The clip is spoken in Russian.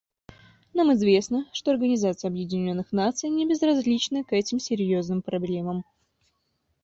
Нам известно, что Организация Объединенных Наций небезразлична к этим серьезным проблемам.